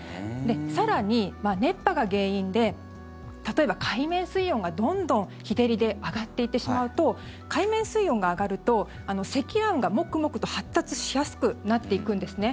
更に、熱波が原因で例えば海面水温がどんどん日照りで上がっていってしまうと海面水温が上がると積乱雲がモクモクと発達しやすくなっていくんですね。